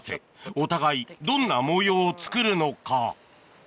お互いどんな模様を作るのか？